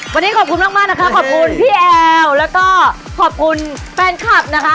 วันนี้ขอบคุณมากนะคะขอบคุณพี่แอลแล้วก็ขอบคุณแฟนคลับนะคะ